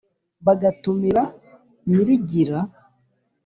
bagatumira nyirigira,